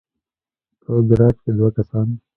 په ګراج کې دوه کسان